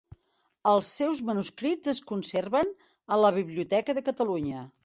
Els seus manuscrits es conserven a la Biblioteca de Catalunya.